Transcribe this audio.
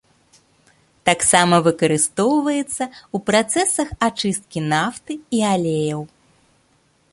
Таксама выкарыстоўваецца ў працэсах ачысткі нафты і алеяў.